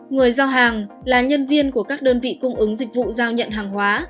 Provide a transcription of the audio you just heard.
người giao hàng là nhân viên của các đơn vị cung ứng dịch vụ giao nhận hàng hóa